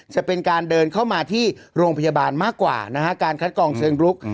จะเป็นการเดินเข้ามาที่โรงพยาบาลมากกว่านะฮะการคัดกองเชิงลุก